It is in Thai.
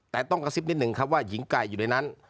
แต่ต้องกระซิบนิดนึงครับว่าหญิงไก่อยู่ในนั้น